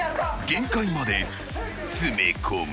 ［限界まで詰め込む］